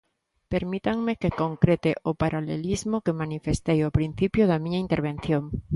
Permítanme que concrete o paralelismo que manifestei ao principio da miña intervención.